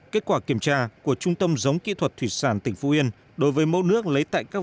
kết quả kiểm tra của trung tâm giống kỹ thuật thủy sản tỉnh phú yên đối với mẫu nước lấy tại các